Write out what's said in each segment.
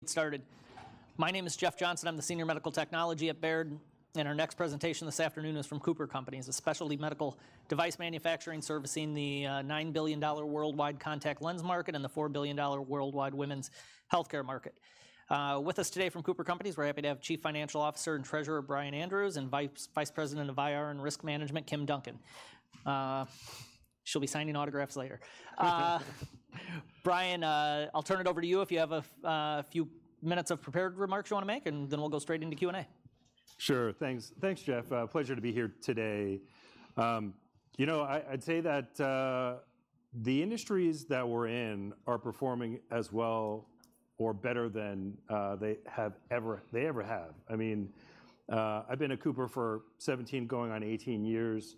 Get started. My name is Jeff Johnson. I'm the senior medical technology at Baird, and our next presentation this afternoon is from CooperCompanies, a specialty medical device manufacturing servicing the $9 billion worldwide contact lens market and the $4 billion worldwide women's healthcare market. With us today from CooperCompanies, we're happy to have Chief Financial Officer and Treasurer Brian Andrews and Vice President of IR and Risk Management, Kim Duncan. She'll be signing autographs later. Brian, I'll turn it over to you if you have a few minutes of prepared remarks you wanna make, and then we'll go straight into Q&A. Sure. Thanks. Thanks, Jeff. Pleasure to be here today. You know, I'd say that the industries that we're in are performing as well or better than they ever have. I mean, I've been at Cooper for 17 going on 18 years.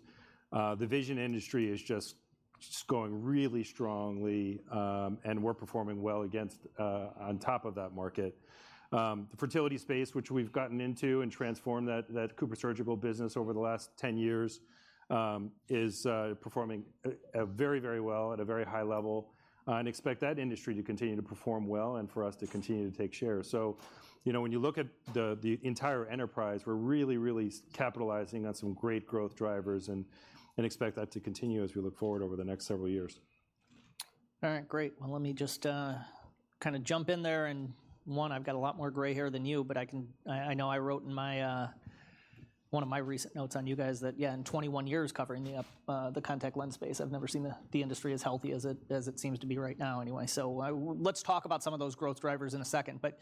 The vision industry is just going really strongly, and we're performing well against, on top of that market. The fertility space, which we've gotten into and transformed that CooperSurgical business over the last 10 years, is performing very, very well at a very high level, and expect that industry to continue to perform well and for us to continue to take share. So, you know, when you look at the entire enterprise, we're really, really capitalizing on some great growth drivers and expect that to continue as we look forward over the next several years. All right, great. Well, let me just kin.a jump in there, and one, I've got a lot more gray hair than you, but I can... I know I wrote in my one of my recent notes on you guys that yeah, in 21 years covering the contact lens space, I've never seen the industry as healthy as it seems to be right now anyway. So let's talk about some of those growth drivers in a second, but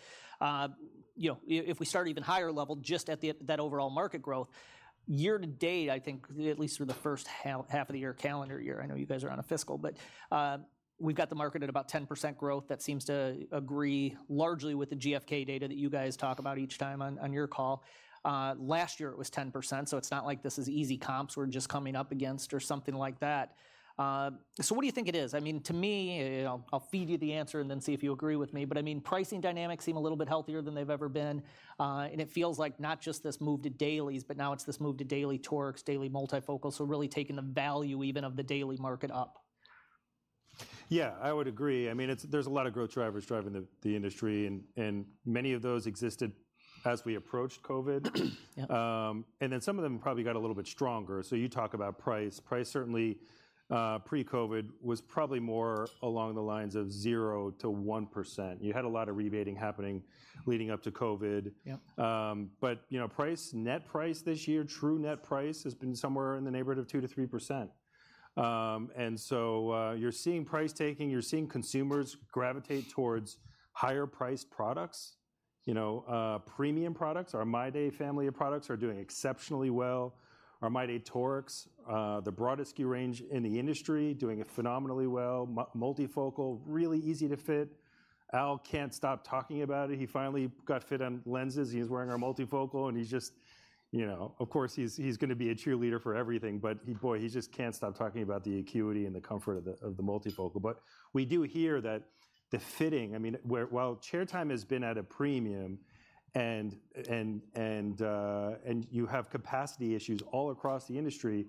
you know, if we start even higher level, just at that overall market growth, year to date, I think at least through the first half of the year, calendar year, I know you guys are on a fiscal, but we've got the market at about 10% growth. That seems to agree largely with the GfK data that you guys talk about each time on your call. Last year it was 10%, so it's not like this is easy comps we're just coming up against or something like that. So what do you think it is? I mean, to me, I'll feed you the answer and then see if you agree with me, but I mean, pricing dynamics seem a little bit healthier than they've ever been. And it feels like not just this move to dailies, but now it's this move to daily torics, daily multifocals, so really taking the value even of the daily market up. Yeah, I would agree. I mean, it's, there's a lot of growth drivers driving the, the industry, and, and many of those existed as we approached COVID. Yep. And then some of them probably got a little bit stronger. So you talk about price. Price certainly, pre-COVID was probably more along the lines of 0%-1%. You had a lot of rebating happening leading up to COVID. Yep. But, you know, price, net price this year, true net price, has been somewhere in the neighborhood of 2%-3%. And so, you're seeing price taking, you're seeing consumers gravitate towards higher-priced products, you know, premium products. Our MyDay family of products are doing exceptionally well. Our MyDay Torics, the broadest SKU range in the industry, doing phenomenally well. Multifocal, really easy to fit. Al can't stop talking about it. He finally got fit on lenses. He's wearing our multifocal, and he's just, you know... Of course, he's, he's gonna be a cheerleader for everything, but he-- boy, he just can't stop talking about the acuity and the comfort of the, of the multifocal. But we do hear that the fitting, I mean, where, while chair time has been at a premium and you have capacity issues all across the industry,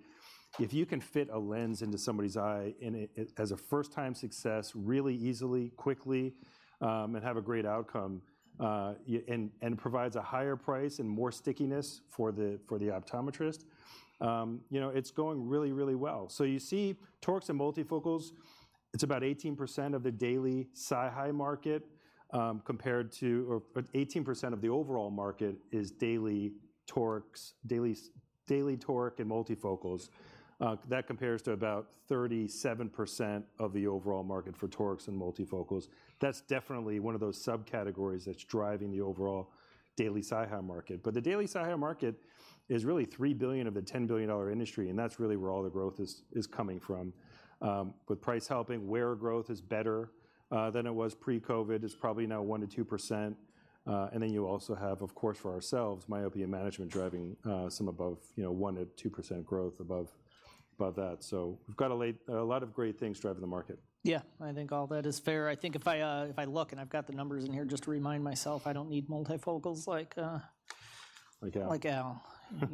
if you can fit a lens into somebody's eye in a, as a first-time success really easily, quickly, and have a great outcome, and provides a higher price and more stickiness for the, for the optometrist, you know, it's going really, really well. So you see, torics and multifocals, it's about 18% of the daily SiHy market, compared to... or 18% of the overall market is daily torics, daily toric and multifocals. That compares to about 37% of the overall market for torics and multifocals. That's definitely one of those subcategories that's driving the overall daily SiHy market. But the daily SiHy market is really $3 billion of the $10 billion industry, and that's really where all the growth is, is coming from. With price helping, wear growth is better than it was pre-COVID. It's probably now 1%-2%. And then you also have, of course, for ourselves, myopia management driving some above, you know, 1%-2% growth above, above that. So we've got a lot of great things driving the market. Yeah, I think all that is fair. I think if I, if I look, and I've got the numbers in here just to remind myself, I don't need multifocals like, Like Al... like Al.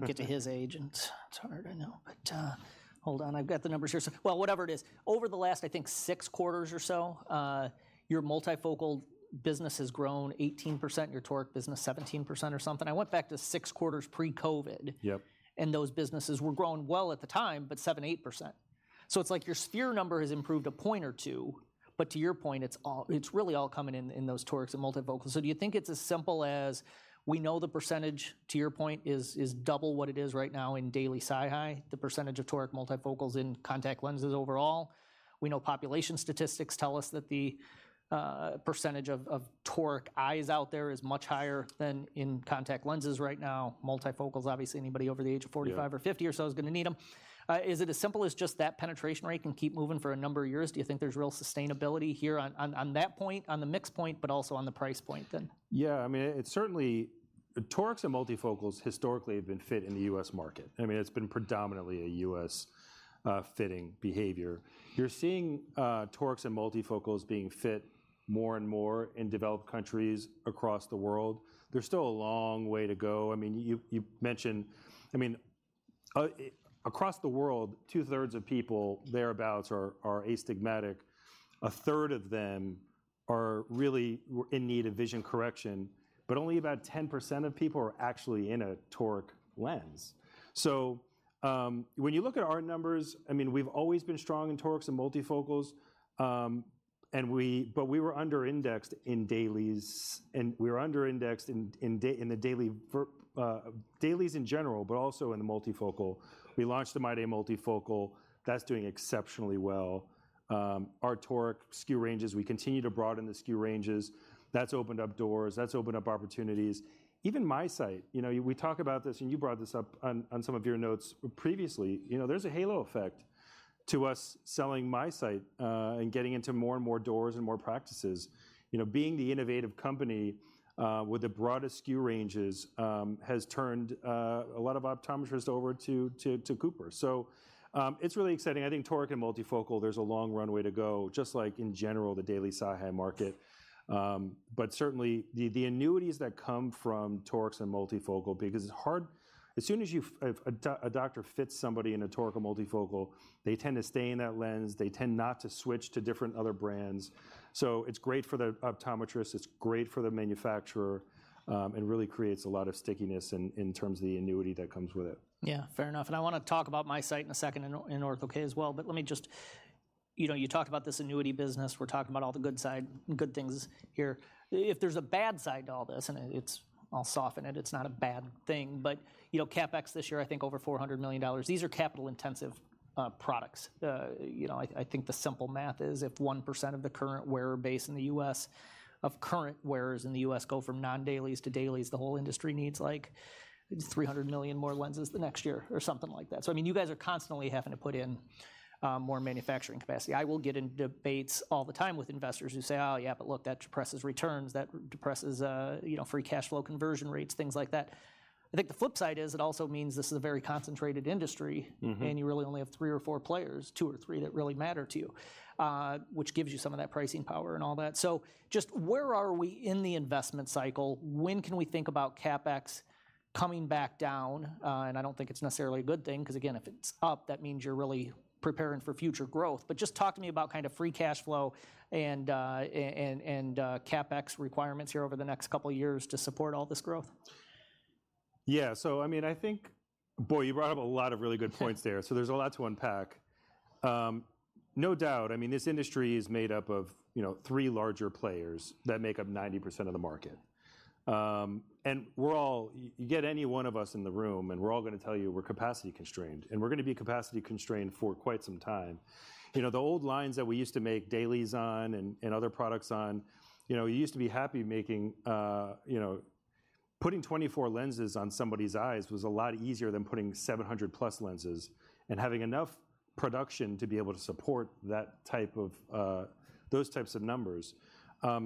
Get to his age, and it's hard, I know. But, hold on. I've got the numbers here. So, well, whatever it is, over the last, I think, six quarters or so, your multifocal business has grown 18%, your toric business 17% or something. I went back to six quarters pre-COVID- Yep... and those businesses were growing well at the time, but 7%-8%. So it's like your sphere number has improved a point or two, but to your point, it's all, it's really all coming in, in those torics and multifocals. So do you think it's as simple as we know the percentage, to your point, is double what it is right now in daily SiHy, the percentage of toric multifocals in contact lenses overall? We know population statistics tell us that the percentage of toric eyes out there is much higher than in contact lenses right now. Multifocals, obviously, anybody over the age of 45- Yeah.... or 50 or so is gonna need them. Is it as simple as just that penetration rate can keep moving for a number of years? Do you think there's real sustainability here on that point, on the mix point, but also on the price point then? Yeah, I mean, it's certainly torics and multifocals historically have been fit in the U.S. market. I mean, it's been predominantly a U.S. fitting behavior. You're seeing torics and multifocals being fit more and more in developed countries across the world. There's still a long way to go. I mean, you mentioned across the world, two-thirds of people, thereabouts, are astigmatic. A third of them are really in need of vision correction, but only about 10% of people are actually in a toric lens. So, when you look at our numbers, I mean, we've always been strong in torics and multifocals, and we but we were under-indexed in dailies, and we were under-indexed in dailies in general, but also in the multifocal. We launched the MyDay multifocal. That's doing exceptionally well. Our toric SKU ranges, we continue to broaden the SKU ranges. That's opened up doors. That's opened up opportunities. Even MiSight, you know, we talk about this, and you brought this up on some of your notes previously, you know, there's a halo effect to us selling MiSight, and getting into more and more doors and more practices. You know, being the innovative company, with the broadest SKU ranges, has turned a lot of optometrists over to Cooper. So, it's really exciting. I think toric and multifocal, there's a long runway to go, just like in general, the daily SiHy market. But certainly, the annuities that come from torics and multifocal, because it's hard... As soon as a doctor fits somebody in a toric or multifocal, they tend to stay in that lens. They tend not to switch to different other brands. So it's great for the optometrist, it's great for the manufacturer, and really creates a lot of stickiness in terms of the annuity that comes with it. Yeah, fair enough, and I wanna talk about MiSight in a second and Ortho-K as well. But let me just... You know, you talked about this annuity business. We're talking about all the good side, good things here. If there's a bad side to all this, and it's- I'll soften it, it's not a bad thing, but, you know, CapEx this year, I think over $400 million. These are capital-intensive products. You know, I think the simple math is if 1% of the current wearer base in the U.S., of current wearers in the U.S. go from non-dailies to dailies, the whole industry needs, like, 300 million more lenses the next year or something like that. So I mean, you guys are constantly having to put in more manufacturing capacity. I will get in debates all the time with investors who say: Oh, yeah, but look, that depresses returns. That depresses, you know, free cash flow conversion rates, things like that. I think the flip side is it also means this is a very concentrated industry- Mm-hmm. And you really only have three or four players, two or three that really matter to you, which gives you some of that pricing power and all that. So just where are we in the investment cycle? When can we think about CapEx coming back down? And I don't think it's necessarily a good thing, because, again, if it's up, that means you're really preparing for future growth. But just talk to me about kind of free cash flow and CapEx requirements here over the next couple of years to support all this growth. Yeah. So I mean, I think... Boy, you brought up a lot of really good points there. So there's a lot to unpack. No doubt, I mean, this industry is made up of, you know, three larger players that make up 90% of the market. And we're all... you get any one of us in the room, and we're all gonna tell you we're capacity constrained, and we're gonna be capacity constrained for quite some time. You know, the old lines that we used to make dailies on and other products on, you know, you used to be happy making, you know, putting 24 lenses on somebody's eyes was a lot easier than putting 700+ lenses and having enough production to be able to support that type of those types of numbers.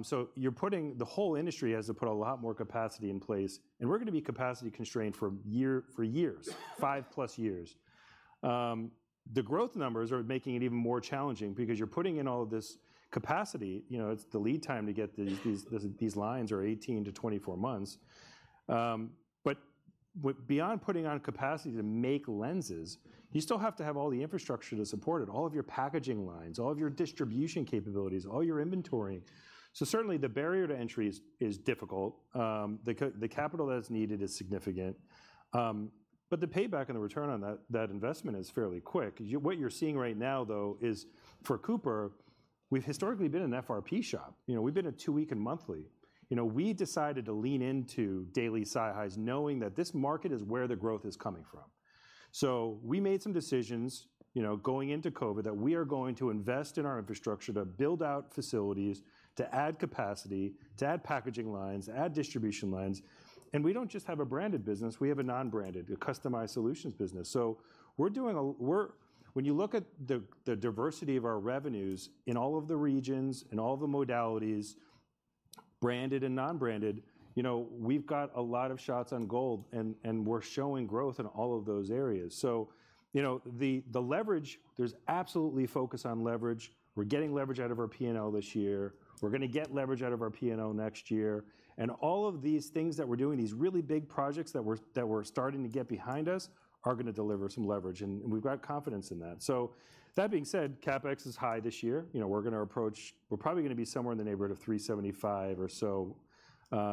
So the whole industry has to put a lot more capacity in place, and we're gonna be capacity constrained for years, 5+ years. The growth numbers are making it even more challenging because you're putting in all of this capacity, you know, it's the lead time to get these lines are 18-24 months. But beyond putting on capacity to make lenses, you still have to have all the infrastructure to support it, all of your packaging lines, all of your distribution capabilities, all your inventory. So certainly, the barrier to entry is difficult. The capital that is needed is significant, but the payback and the return on that investment is fairly quick. What you're seeing right now, though, is for Cooper, we've historically been an FRP shop. You know, we've been a two-week and monthly. You know, we decided to lean into daily SiHy's, knowing that this market is where the growth is coming from. So we made some decisions, you know, going into COVID, that we are going to invest in our infrastructure, to build out facilities, to add capacity, to add packaging lines, add distribution lines. And we don't just have a branded business, we have a non-branded, a customized solutions business. So when you look at the, the diversity of our revenues in all of the regions and all of the modalities, branded and non-branded, you know, we've got a lot of shots on goal, and we're showing growth in all of those areas. So, you know, the leverage, there's absolutely focus on leverage. We're getting leverage out of our P&L this year. We're gonna get leverage out of our P&L next year. And all of these things that we're doing, these really big projects that we're starting to get behind us, are gonna deliver some leverage, and we've got confidence in that. So that being said, CapEx is high this year. You know, we're gonna approach- we're probably gonna be somewhere in the neighborhood of $375 or so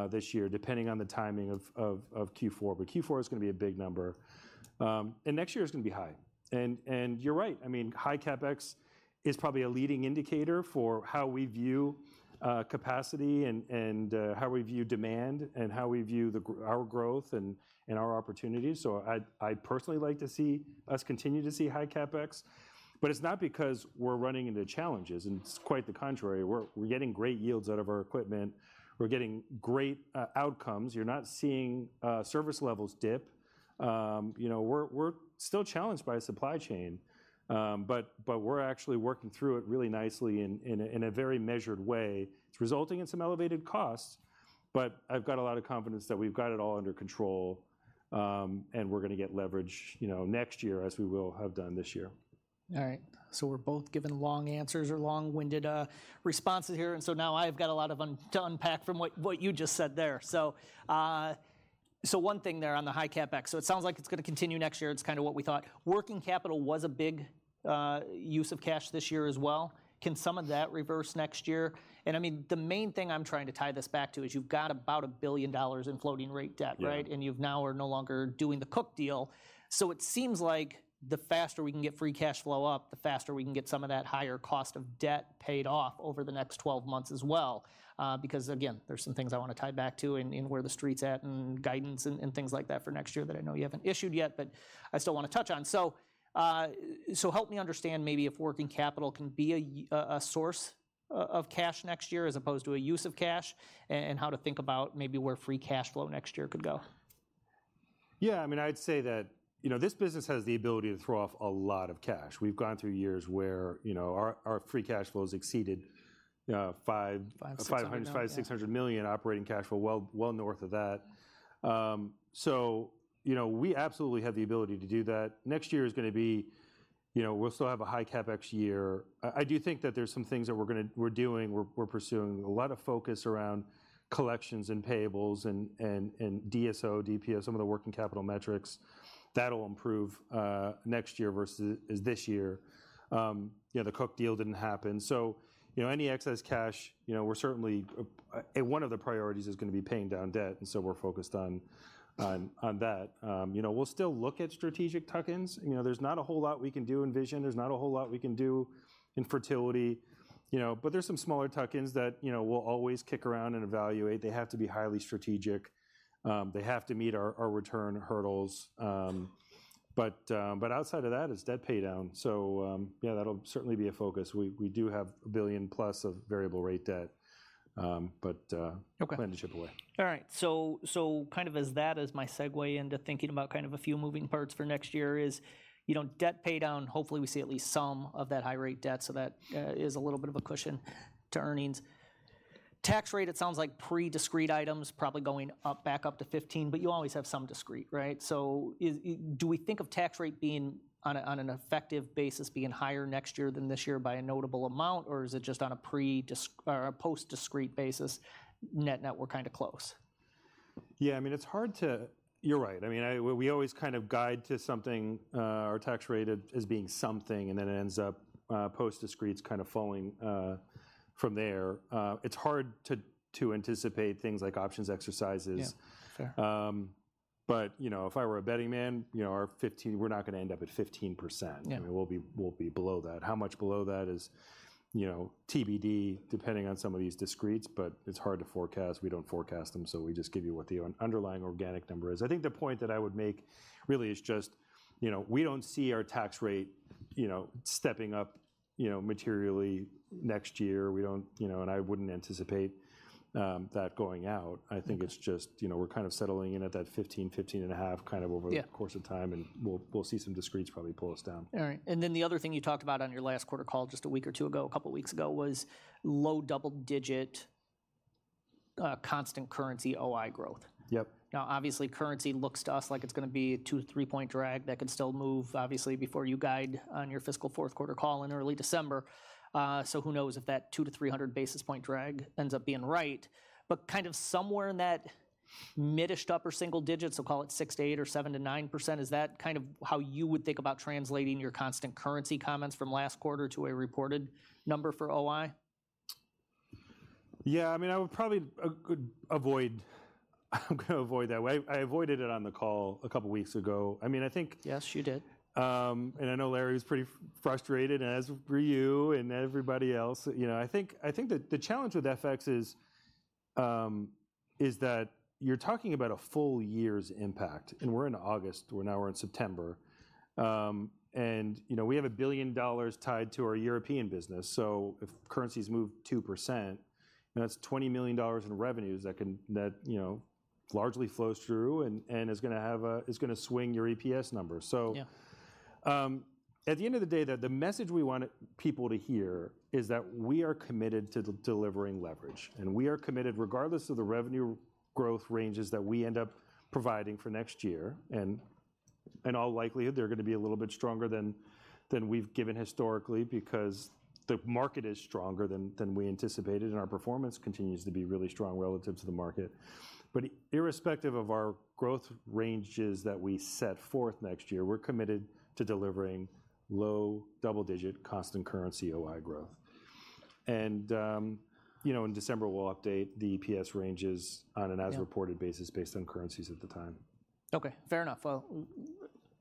this year, depending on the timing of Q4. But Q4 is gonna be a big number, and next year is gonna be high. And you're right. I mean, high CapEx is probably a leading indicator for how we view capacity and how we view demand and how we view our growth and our opportunities. So I'd personally like to see us continue to see high CapEx, but it's not because we're running into challenges, and it's quite the contrary. We're getting great yields out of our equipment. We're getting great outcomes. You're not seeing service levels dip. You know, we're still challenged by supply chain, but we're actually working through it really nicely in a very measured way. It's resulting in some elevated costs, but I've got a lot of confidence that we've got it all under control, and we're gonna get leverage, you know, next year, as we will have done this year.... All right, so we're both giving long answers or long-winded responses here, and so now I've got a lot to unpack from what you just said there. So, so one thing there on the high CapEx, so it sounds like it's gonna continue next year. It's kinda what we thought. Working capital was a big use of cash this year as well. Can some of that reverse next year? And, I mean, the main thing I'm trying to tie this back to is you've got about $1 billion in floating rate debt, right? Yeah. And you've now are no longer doing the Cook deal, so it seems like the faster we can get free cash flow up, the faster we can get some of that higher cost of debt paid off over the next 12 months as well. Because, again, there's some things I wanna tie back to in where the street's at, and guidance and things like that for next year that I know you haven't issued yet, but I still wanna touch on. So help me understand maybe if working capital can be a source of cash next year, as opposed to a use of cash, and how to think about maybe where free cash flow next year could go. Yeah, I mean, I'd say that, you know, this business has the ability to throw off a lot of cash. We've gone through years where, you know, our free cash flows exceeded five- $500 million-$600 million.... $550 million-$600 million operating cash flow, well, well north of that. So, you know, we absolutely have the ability to do that. Next year is gonna be, you know, we'll still have a high CapEx year. I do think that there's some things that we're gonna do. We're pursuing a lot of focus around collections, and payables, and DSO, DPO, some of the working capital metrics. That'll improve next year versus this year. Yeah, the Cook deal didn't happen, so, you know, any excess cash, you know, we're certainly. And one of the priorities is gonna be paying down debt, and so we're focused on that. You know, we'll still look at strategic tuck-ins. You know, there's not a whole lot we can do in vision. There's not a whole lot we can do in fertility, you know, but there's some smaller tuck-ins that, you know, we'll always kick around and evaluate. They have to be highly strategic. They have to meet our, our return hurdles. But outside of that, it's debt pay down, so, yeah, that'll certainly be a focus. We do have $1 billion-plus of variable rate debt, but Okay... plan to chip away. All right. So kind of as my segue into thinking about kind of a few moving parts for next year is, you know, debt pay down, hopefully we see at least some of that high rate debt, so that is a little bit of a cushion to earnings. Tax rate, it sounds like pre-discrete items, probably going up, back up to 15, but you always have some discrete, right? So, do we think of tax rate being on a, on an effective basis being higher next year than this year by a notable amount, or is it just on a pre-discrete or a post-discrete basis net-net, we're kinda close? Yeah, I mean, it's hard to... You're right. I mean, we always kind of guide to something, our tax rate as being something, and then it ends up, post-discretes kind of falling, from there. It's hard to anticipate things like options exercises. Yeah, fair. But, you know, if I were a betting man, you know, our 15- we're not gonna end up at 15%. Yeah. I mean, we'll be, we'll be below that. How much below that is, you know, TBD, depending on some of these discretes, but it's hard to forecast. We don't forecast them, so we just give you what the underlying organic number is. I think the point that I would make, really, is just, you know, we don't see our tax rate, you know, stepping up, you know, materially next year. We don't, you know, and I wouldn't anticipate that going out. Mm-hmm. I think it's just, you know, we're kind of settling in at that 15, 15.5 kind of over- Yeah... the course of time, and we'll see some discretes probably pull us down. All right, and then the other thing you talked about on your last quarter call just a week or two ago, a couple weeks ago, was low double-digit constant currency OI growth. Yep. Now, obviously, currency looks to us like it's gonna be a 2- to 3-point drag. That could still move, obviously, before you guide on your fiscal fourth quarter call in early December. So who knows if that 200-300 basis point drag ends up being right? But kind of somewhere in that mid-ish to upper single digits, we'll call it 6%-8% or 7%-9%, is that kind of how you would think about translating your constant currency comments from last quarter to a reported number for OI? Yeah, I mean, I would probably avoid. I'm gonna avoid that way. I avoided it on the call a couple weeks ago. I mean, I think- Yes, you did. I know Larry was pretty frustrated, as were you and everybody else. You know, I think, I think the challenge with FX is that you're talking about a full year's impact, and we're in August. We're now in September. You know, we have $1 billion tied to our European business, so if currencies move 2%, then that's $20 million in revenues that can you know largely flows through and is gonna swing your EPS number. So- Yeah At the end of the day, the message we want people to hear is that we are committed to delivering leverage. We are committed regardless of the revenue growth ranges that we end up providing for next year, and, in all likelihood, they're gonna be a little bit stronger than we've given historically because the market is stronger than we anticipated, and our performance continues to be really strong relative to the market. Irrespective of our growth ranges that we set forth next year, we're committed to delivering low double-digit constant currency OI growth. You know, in December, we'll update the EPS ranges on an- Yeah... as reported basis based on currencies at the time. Okay, fair enough. Well,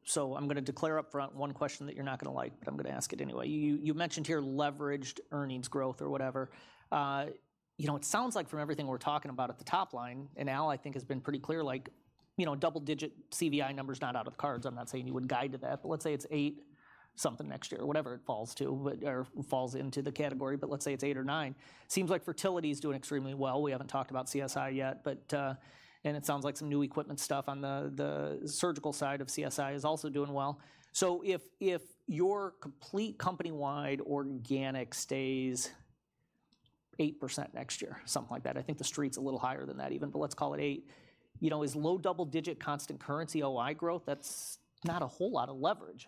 so I'm gonna declare up front one question that you're not gonna like, but I'm gonna ask it anyway. You mentioned here leveraged earnings growth or whatever. You know, it sounds like from everything we're talking about at the top line, and Al, I think, has been pretty clear, like, you know, double-digit CVI number's not out of the cards. I'm not saying you would guide to that, but let's say it's 8 something next year, or whatever it falls to, but, or falls into the category, but let's say it's 8 or 9. Seems like fertility is doing extremely well. We haven't talked about CSI yet, but. And it sounds like some new equipment stuff on the surgical side of CSI is also doing well. So if your complete company-wide organic stays 8% next year, something like that. I think the street's a little higher than that even, but let's call it 8. You know, is low double-digit constant currency OI growth, that's not a whole lot of leverage.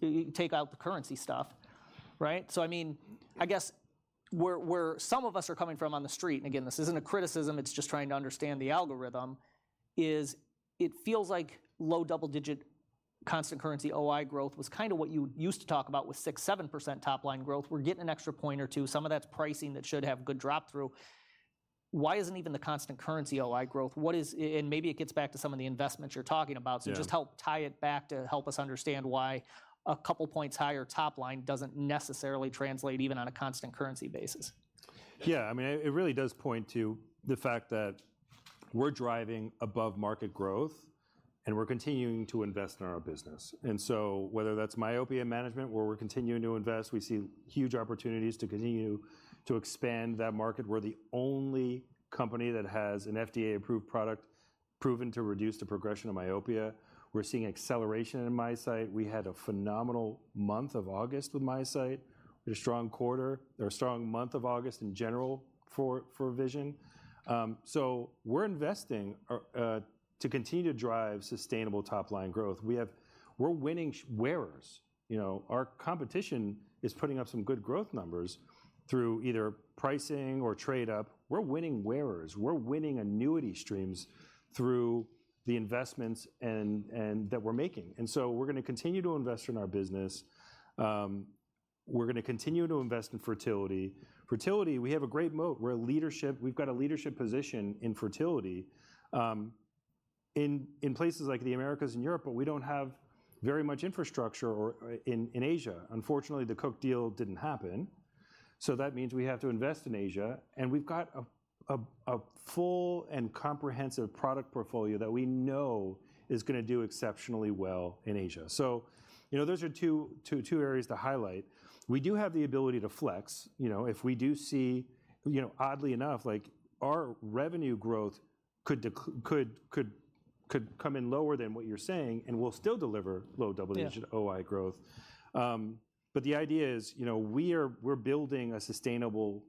You take out the currency stuff, right? So I mean, I guess where, where some of us are coming from on the street, and again, this isn't a criticism, it's just trying to understand the algorithm, is it feels like low double-digit constant currency OI growth was kinda what you used to talk about with 6%-7% top line growth. We're getting an extra point or two. Some of that's pricing that should have good drop through. Why isn't even the constant currency OI growth? What is... and maybe it gets back to some of the investments you're talking about- Yeah. So just help tie it back to help us understand why a couple points higher top line doesn't necessarily translate even on a constant currency basis. Yeah, I mean, it really does point to the fact that we're driving above-market growth, and we're continuing to invest in our business. So whether that's myopia management, where we're continuing to invest, we see huge opportunities to continue to expand that market. We're the only company that has an FDA-approved product proven to reduce the progression of myopia. We're seeing acceleration in MiSight. We had a phenomenal month of August with MiSight, a strong quarter, or a strong month of August in general for vision. So we're investing to continue to drive sustainable top-line growth. We're winning wearers. You know, our competition is putting up some good growth numbers through either pricing or trade up. We're winning wearers. We're winning annuity streams through the investments and that we're making. So we're gonna continue to invest in our business. We're gonna continue to invest in fertility. Fertility, we have a great moat. We've got a leadership position in fertility, in places like the Americas and Europe, but we don't have very much infrastructure or in Asia. Unfortunately, the Cook deal didn't happen, so that means we have to invest in Asia, and we've got a full and comprehensive product portfolio that we know is gonna do exceptionally well in Asia. So, you know, those are two areas to highlight. We do have the ability to flex, you know, if we do see... You know, oddly enough, like, our revenue growth could come in lower than what you're saying, and we'll still deliver low double-digit- Yeah... OI growth. But the idea is, you know, we are—we're building a sustainable,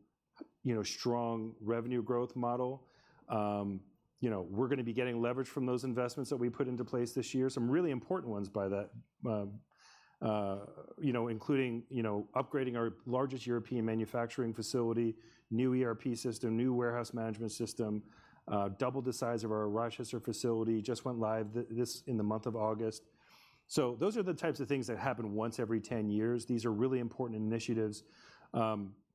you know, strong revenue growth model. You know, we're gonna be getting leverage from those investments that we put into place this year, some really important ones by that. You know, including, you know, upgrading our largest European manufacturing facility, new ERP system, new warehouse management system, doubled the size of our Rochester facility, just went live this in the month of August. So those are the types of things that happen once every 10 years. These are really important initiatives.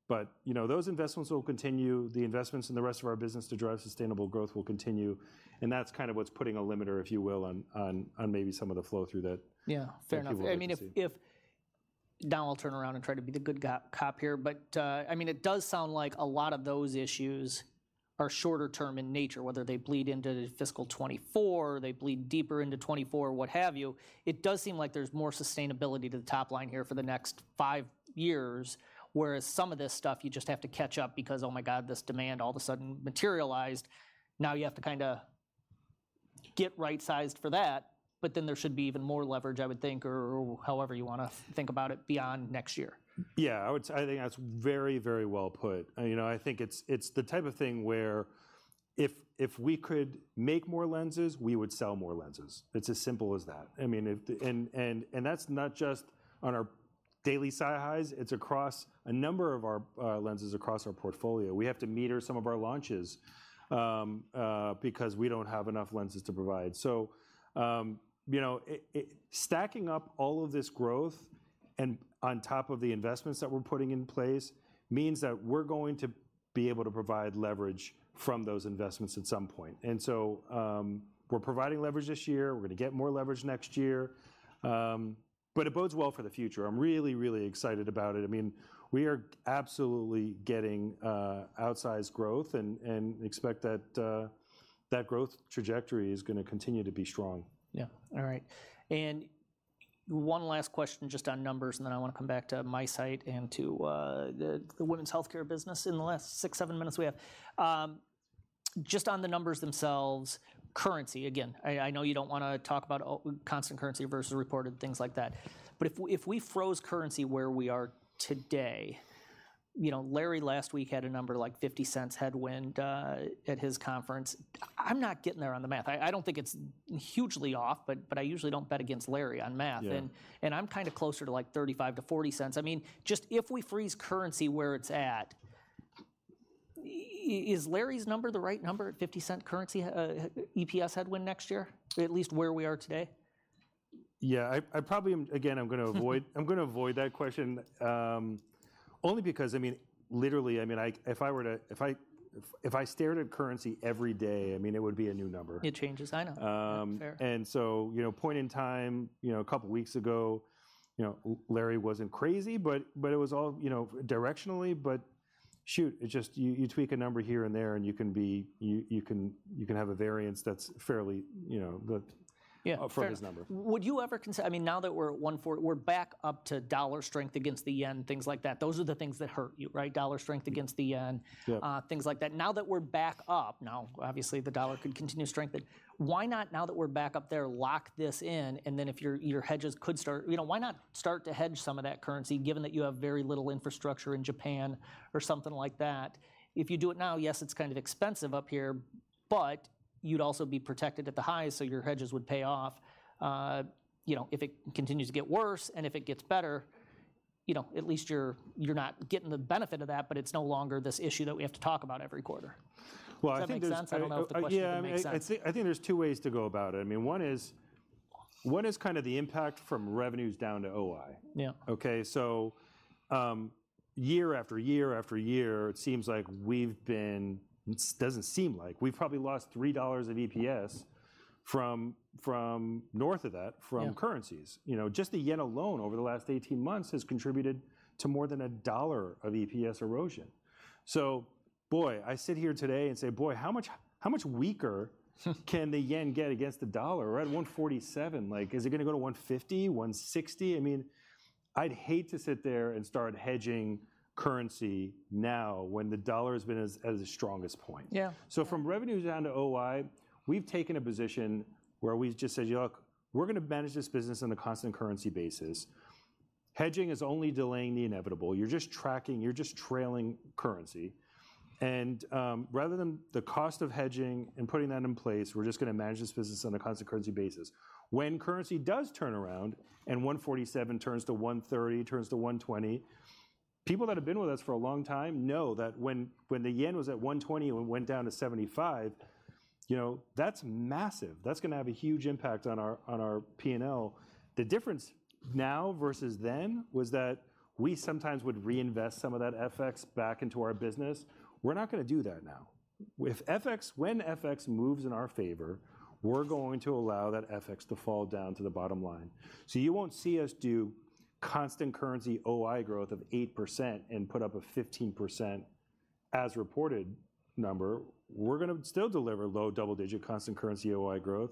But, you know, those investments will continue. The investments in the rest of our business to drive sustainable growth will continue, and that's kind of what's putting a limiter, if you will, on maybe some of the flow through that- Yeah, fair enough. That people want to see. I mean, if... Don, I'll turn around and try to be the good cop here, but, I mean, it does sound like a lot of those issues are shorter term in nature, whether they bleed into fiscal 2024, they bleed deeper into 2024, or what have you, it does seem like there's more sustainability to the top line here for the next five years, whereas some of this stuff you just have to catch up because, oh, my God, this demand all of a sudden materialized. Now you have to kinda get right-sized for that, but then there should be even more leverage, I would think, or however you wanna think about it beyond next year. Yeah, I would – I think that's very, very well put. And, you know, I think it's the type of thing where if we could make more lenses, we would sell more lenses. It's as simple as that. I mean, if the... And that's not just on our daily SiHy, it's across a number of our lenses across our portfolio. We have to meter some of our launches because we don't have enough lenses to provide. So, you know, stacking up all of this growth and on top of the investments that we're putting in place means that we're going to be able to provide leverage from those investments at some point. And so, we're providing leverage this year. We're gonna get more leverage next year. But it bodes well for the future. I'm really, really excited about it. I mean, we are absolutely getting outsized growth and expect that growth trajectory is gonna continue to be strong. Yeah. All right, and one last question just on numbers, and then I wanna come back to MiSight and to the women's healthcare business in the last six, seven minutes we have. Just on the numbers themselves, currency, again, I know you don't wanna talk about constant currency versus reported, things like that, but if we froze currency where we are today, you know, Larry, last week, had a number like $0.50 headwind at his conference. I'm not getting there on the math. I don't think it's hugely off, but I usually don't bet against Larry on math. Yeah. I'm kinda closer to, like, $0.35-$0.40. I mean, just if we freeze currency where it's at, is Larry's number the right number at $0.50 currency EPS headwind next year, at least where we are today? Yeah, I probably am. Again, I'm gonna avoid that question. Only because, I mean, literally, I mean, like, if I stared at currency every day, I mean, it would be a new number. It changes, I know. Um- Fair. And so, you know, point in time, you know, a couple of weeks ago, you know, Larry wasn't crazy, but it was all, you know, directionally, but shoot, it's just you tweak a number here and there, and you can have a variance that's fairly, you know, good- Yeah, fair... upfront his number. Would you ever consider - I mean, now that we're at 140, we're back up to US dollar strength against the Japanese yen, things like that. Those are the things that hurt you, right? US dollar strength against the Japanese yen- Yeah... things like that. Now that we're back up, now, obviously, the US dollar could continue to strengthen, why not, now that we're back up there, lock this in, and then if your, your hedges could start... You know, why not start to hedge some of that currency, given that you have very little infrastructure in Japan or something like that? If you do it now, yes, it's kind of expensive up here.... but you'd also be protected at the highs, so your hedges would pay off. You know, if it continues to get worse, and if it gets better, you know, at least you're, you're not getting the benefit of that, but it's no longer this issue that we have to talk about every quarter. Well, I think there's- Does that make sense? I don't know if the question makes sense. Yeah, I think there's two ways to go about it. I mean, one is kind of the impact from revenues down to OI. Yeah. Okay, so, year after year after year, it seems like we've been. It doesn't seem like we've probably lost $3 of EPS from, from north of that- Yeah... from currencies. You know, just the yen alone over the last 18 months has contributed to more than $1 of EPS erosion. So boy, I sit here today and say: Boy, how much, how much weaker... can the yen get against the dollar, right? 147, like, is it gonna go to 150, 160? I mean, I'd hate to sit there and start hedging currency now when the dollar has been as, at its strongest point. Yeah. So from revenues down to OI, we've taken a position where we've just said: "Look, we're gonna manage this business on a constant currency basis." Hedging is only delaying the inevitable. You're just tracking—you're just trailing currency. And rather than the cost of hedging and putting that in place, we're just gonna manage this business on a constant currency basis. When currency does turn around, and 147 turns to 130, turns to 120, people that have been with us for a long time know that when the yen was at 120 and went down to 75, you know, that's massive. That's gonna have a huge impact on our, on our P&L. The difference now versus then was that we sometimes would reinvest some of that FX back into our business. We're not gonna do that now. When FX moves in our favor, we're going to allow that FX to fall down to the bottom line. So you won't see us do constant currency OI growth of 8% and put up a 15% as reported number. We're gonna still deliver low double-digit constant currency OI growth,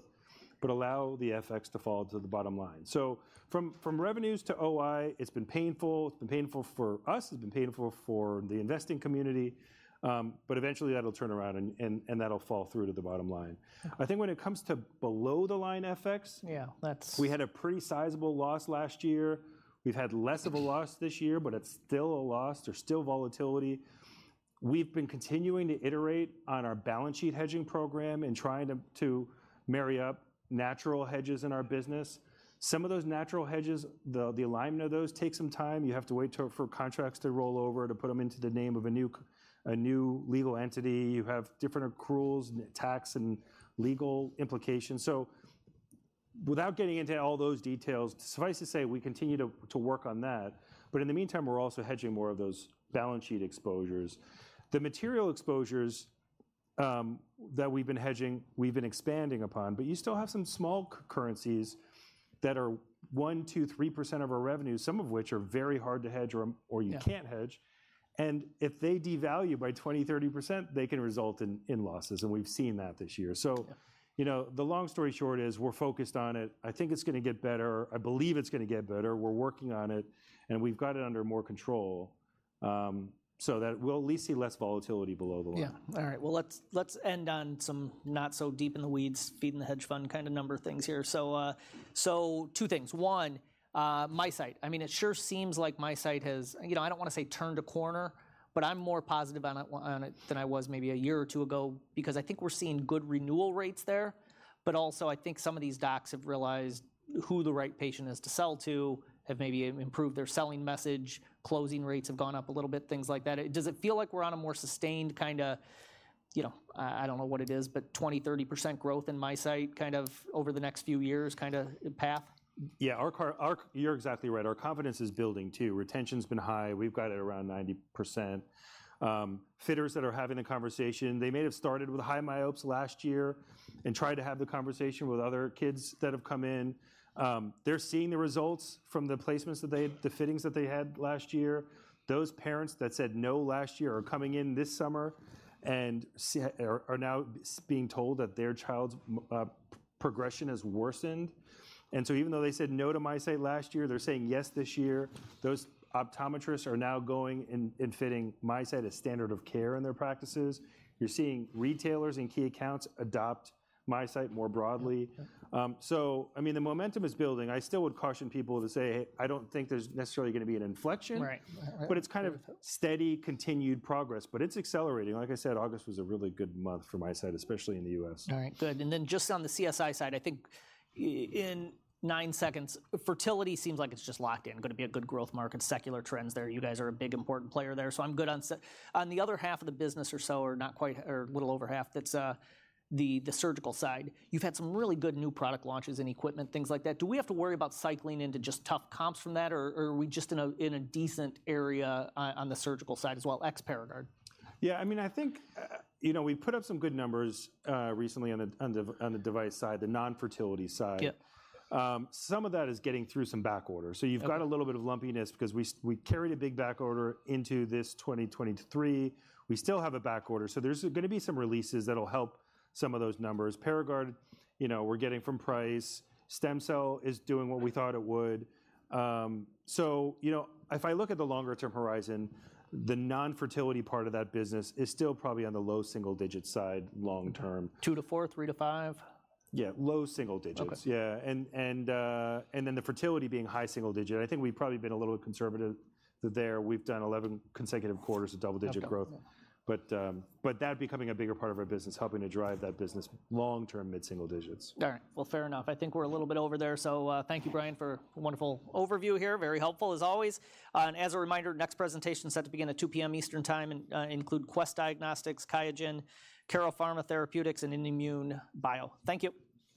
but allow the FX to fall to the bottom line. So from revenues to OI, it's been painful. It's been painful for us, it's been painful for the investing community, but eventually that'll turn around, and that'll fall through to the bottom line. Yeah. I think when it comes to below-the-line FX- Yeah, that's-... we had a pretty sizable loss last year. We've had less of a loss this year, but it's still a loss. There's still volatility. We've been continuing to iterate on our balance sheet hedging program and trying to marry up natural hedges in our business. Some of those natural hedges, the alignment of those takes some time. You have to wait for contracts to roll over, to put them into the name of a new legal entity. You have different accruals and tax and legal implications. So without getting into all those details, suffice to say, we continue to work on that, but in the meantime, we're also hedging more of those balance sheet exposures. The material exposures that we've been hedging, we've been expanding upon, but you still have some small currencies that are 1, 2, 3% of our revenue, some of which are very hard to hedge or, or- Yeah... you can't hedge, and if they devalue by 20%-30%, they can result in losses, and we've seen that this year. Yeah. So, you know, the long story short is we're focused on it. I think it's gonna get better. I believe it's gonna get better. We're working on it, and we've got it under more control, so that we'll at least see less volatility below the line. Yeah. All right. Well, let's end on some not-so-deep-in-the-weeds, feeding-the-hedge-fund kind of number things here. So, two things: One, MiSight. I mean, it sure seems like MiSight has, you know, I don't wanna say turned a corner, but I'm more positive on it than I was maybe a year or two ago because I think we're seeing good renewal rates there. But also, I think some of these docs have realized who the right patient is to sell to, have maybe improved their selling message, closing rates have gone up a little bit, things like that. Does it feel like we're on a more sustained kind of, you know, I don't know what it is, but 20%-30% growth in MiSight, kind of over the next few years, kind of path? Yeah, you're exactly right. Our confidence is building, too. Retention's been high. We've got it around 90%. Fitters that are having the conversation, they may have started with high myopes last year and tried to have the conversation with other kids that have come in. They're seeing the results from the fittings that they had last year. Those parents that said no last year are coming in this summer and are now being told that their child's progression has worsened, and so even though they said no to MiSight last year, they're saying yes this year. Those optometrists are now going and fitting MiSight as standard of care in their practices. You're seeing retailers and key accounts adopt MiSight more broadly. Yeah. Yeah. So, I mean, the momentum is building. I still would caution people to say, "I don't think there's necessarily gonna be an inflection. Right. Right, right. It's kind of steady, continued progress, but it's accelerating. Like I said, August was a really good month for MiSight, especially in the U.S. All right, good. And then just on the CSI side, I think in nine seconds, fertility seems like it's just locked in, gonna be a good growth market, secular trends there. You guys are a big, important player there, so I'm good. On the other half of the business or so are not quite, or a little over half, that's the surgical side. You've had some really good new product launches and equipment, things like that. Do we have to worry about cycling into just tough comps from that, or are we just in a decent area on the surgical side as well, ex Paragard? Yeah, I mean, I think, you know, we've put up some good numbers recently on the device side, the non-fertility side. Yeah. Some of that is getting through some backorders. Okay. So you've got a little bit of lumpiness because we carried a big backorder into this 2023. We still have a backorder, so there's gonna be some releases that'll help some of those numbers. Paragard, you know, we're getting from price. Stem Cell is doing what we thought it would. So you know, if I look at the longer-term horizon, the non-fertility part of that business is still probably on the low single digits side, long term. 2-4, 3-5? Yeah, low single digits. Okay. Yeah, and then the fertility being high single-digit, I think we've probably been a little conservative there. We've done 11 consecutive quarters of double-digit growth. Double digits, yeah. But that becoming a bigger part of our business, helping to drive that business long term, mid-single digits. All right. Well, fair enough. I think we're a little bit over there, so, thank you, Brian, for a wonderful overview here. Very helpful, as always. As a reminder, next presentation is set to begin at 2:00 P.M. Eastern Time and, include Quest Diagnostics, QIAGEN, Cara Pharma Therapeutics, and INmune Bio. Thank you!